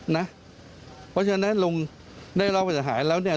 เพราะฉะนั้นลุงได้รับปัญหาแล้วเนี่ย